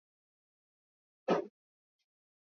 yaliyotoka humo ni mengi